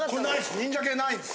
忍者系ないです。